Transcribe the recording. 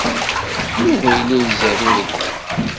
Yuba yella izerrew deg uxxam.